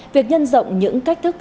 việc nhân rộng những cách thức